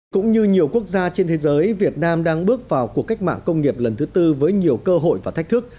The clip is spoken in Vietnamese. cũng như nhiều quốc gia trên thế giới việt nam đang bước vào cuộc cách mạng công nghiệp lần thứ tư với nhiều cơ hội và thách thức